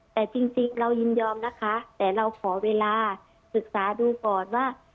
แต่จริงเรายินยอมนะคะแต่เราขอเวลาศึกษาดูก่อนว่า